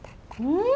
うん！